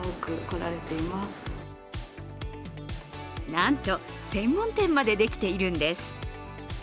なんと専門店までできているんです。